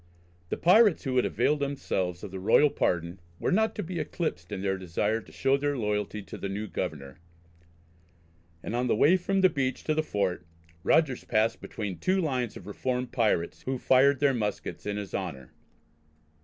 The pirates who had availed themselves of the royal pardon, were not to be eclipsed in their desire to show their loyalty to the new governor, and on the way from the beach to the Fort, Rogers passed between two lines of reformed pirates, who fired their muskets in his honour.